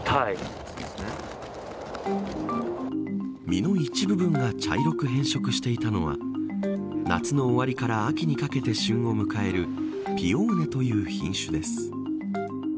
実の一部分が茶色く変色していたのは夏の終わりから秋にかけて旬を迎えるピオーネという品種です。